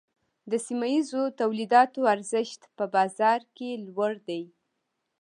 د سیمه ییزو تولیداتو ارزښت په بازار کې لوړ دی۔